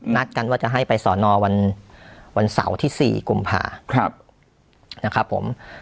นัดกันว่าจะให้ไปสอนอวันเสาร์ที่๔กุมภานะครับผม